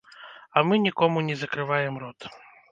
А мы нікому не закрываем рот.